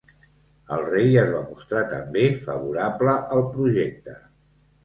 El rei es va mostrar també favorable al projecte.